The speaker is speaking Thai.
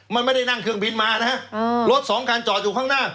มันไม่ได้นั่งเครื่องบินมานะฮะรถสองคันจอดอยู่ข้างหน้า